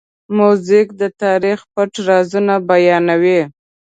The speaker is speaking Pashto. موزیک د تاریخ پټ رازونه بیانوي.